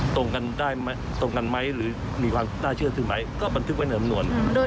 ตรงกันได้ไหมตรงกันไหมหรือมีความน่าเชื่อถือไหมก็บันทึกไว้ในสำนวน